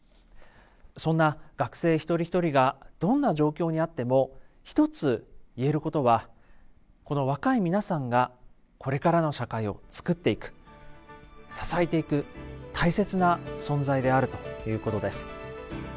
そんな学生一人一人がどんな状況にあっても一つ言えることはこの若い皆さんがこれからの社会を作っていく支えていく大切な存在であるということです。